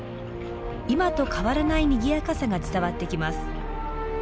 今と変わらないにぎやかさが伝わってきます。